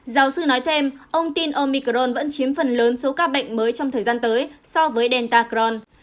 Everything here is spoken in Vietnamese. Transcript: giáo sư nói thêm ông tin omicron vẫn chiếm phần lớn số ca bệnh mới trong thời gian tới so với delta cron